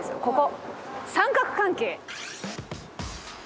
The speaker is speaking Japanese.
ここ「三角関係！！」。